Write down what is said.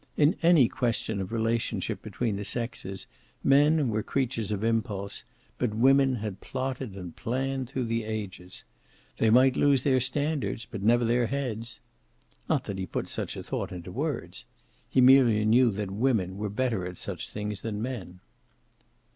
In any question of relationship between the sexes men were creatures of impulse, but women had plotted and planned through the ages. They might lose their standards, but never their heads. Not that he put such a thought into words. He merely knew that women were better at such things than men.